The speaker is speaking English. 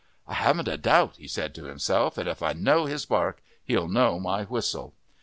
"I haven't a doubt," he said to himself, "and if I know his bark he'll know my whistle."